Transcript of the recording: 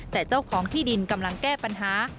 แต่เจ้าของที่ดินกำลังแก้ปัญหา